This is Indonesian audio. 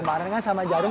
kemarin kan sama jarum